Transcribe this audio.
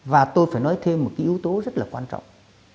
và tôi phải nói thêm một cái yếu tố rất là quan trọng